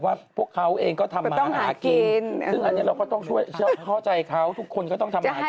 ว่าพวกเขาเองก็ทำหาหากิน